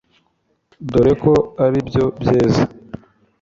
dore ko ari byo byeze